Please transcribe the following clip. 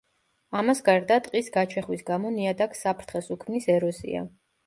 ამას გარდა ტყის გაჩეხვის გამო ნიადაგს საფრთხეს უქმნის ეროზია.